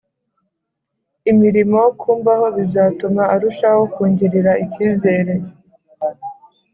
ibirimo kumbaho bizatuma arushaho kungirira ikizere